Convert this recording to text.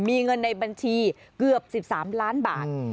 มีเงินในบัญชีเกือบ๑๓ล้านบาท